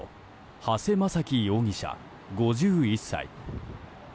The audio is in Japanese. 長谷正樹容疑者、５１歳。